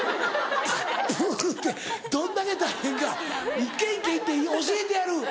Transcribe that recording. プールってどんだけ大変か一軒一軒行って教えてやる。